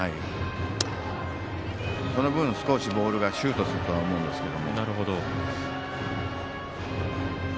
その分、少しボールがシュートすると思うんですけど。